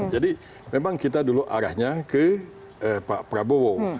jadi memang kita dulu arahnya ke pak prabowo